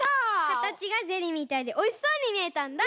かたちがゼリーみたいでおいしそうにみえたんだ。